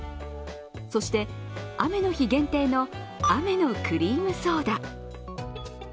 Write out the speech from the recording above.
そして、雨の日限定の雨のクリームソーダ。